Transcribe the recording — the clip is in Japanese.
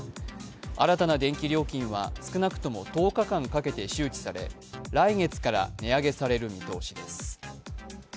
新たな電気料金は少なくとも１０日間かけて周知され来月から値上げされる見通しです。